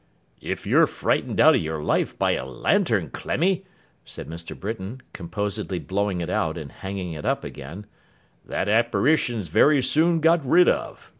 'If you're frightened out of your life by a lantern, Clemmy,' said Mr. Britain, composedly blowing it out and hanging it up again, 'that apparition's very soon got rid of.